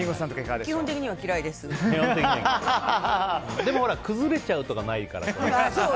でも、崩れちゃうとかないから。